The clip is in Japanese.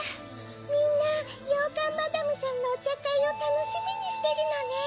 みんなヨーカンマダムさんのおちゃかいをたのしみにしてるのね。